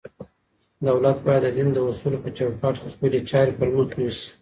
دولت بايد د دين د اصولو په چوکاټ کي خپلي چارې پر مخ يوسي.